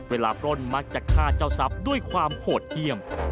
ปล้นมักจะฆ่าเจ้าทรัพย์ด้วยความโหดเยี่ยม